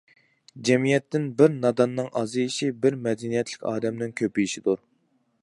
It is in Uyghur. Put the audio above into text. جەمئىيەتتىن بىر ناداننىڭ ئازىيىشى، بىر مەدەنىيەتلىك ئادەمنىڭ كۆپىيىشىدۇر.